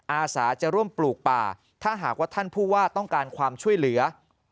อาสาจะร่วมปลูกป่าถ้าหากว่าท่านผู้ว่าต้องการความช่วยเหลือ